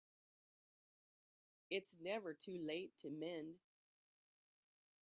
It's never too late to mend